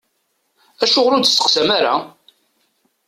Acuɣer ur d-testeqsam ara?